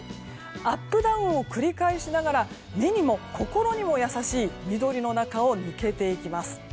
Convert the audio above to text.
アップダウンを繰り返しながら目にも心にも優しい緑の中を抜けていきます。